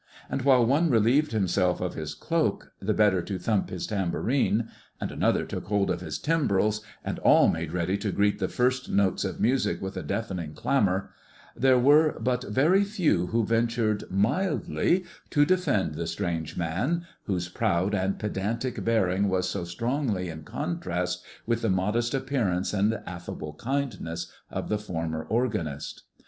And while one relieved himself of his cloak the better to thump his tambourine, and another took hold of his timbrels, and all made ready to greet the first notes of music with a deafening clamor, there were but very few who ventured mildly to defend the strange man, whose proud and pedantic bearing was so strongly in contrast with the modest appearance and affable kindness of the former organist.